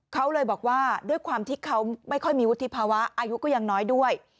เขาเลยบอกว่าด้วยความที่เขาไม่ค่อยมีวุฒิภาวะอายุก็ยังน้อยด้วย